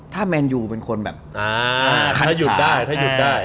ถ้าแมนยูเป็นคนแบบใครจะหยุดได้ถ้าหยุดได้